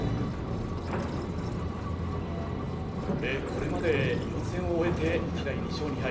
・これまで４戦を終えてお互い２勝２敗。